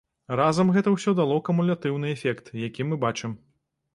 Разам гэта ўсё дало кумулятыўны эфект, які мы бачым.